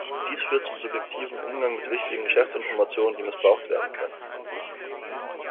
Dies führt zum subjektiven Umgang mit wichtigen Geschäftsinformationen, die missbraucht werden können.